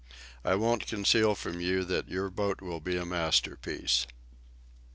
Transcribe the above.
I don't conceal from you that your boat will be a masterpiece."